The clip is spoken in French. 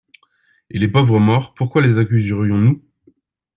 Et les pauvres morts pourquoi les accuserions-nous?